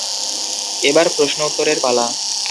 এবার প্রশ্ন উত্তরের পালা।